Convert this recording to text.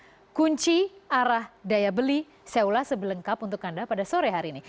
berikut kunci arah daya beli seolah sebelengkap untuk anda pada sore hari ini